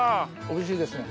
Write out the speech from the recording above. おいしいですね。